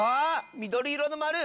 みどりいろのまる！